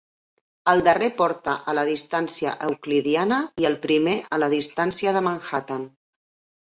El darrer porta a la distància euclidiana i el primer a la distància de Manhattan.